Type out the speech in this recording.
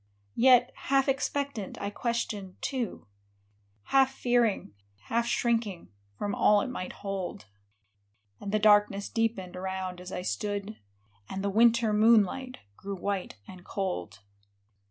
Yet, half expectant, I questioned, too, Half fearing, half shrinking, from all it might hold ; And the darkness deepened around as I stood ; And the winter moonlight grew white and cold.